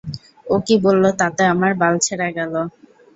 ও কি বলল তাতে আমার বাল ছেড়া গেল!